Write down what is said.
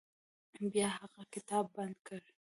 بیا هغه کتاب بند کړ.